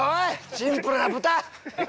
シンプルな豚！